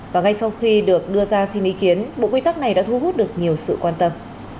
và ngay sau khi được đưa ra xin ý kiến bộ quy tắc này đã thu hút được nhiều sự quan tâm